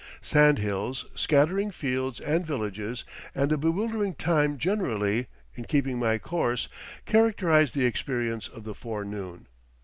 Sand hills, scattering fields and villages, and a bewildering time generally, in keeping my course, characterize the experience of the forenoon.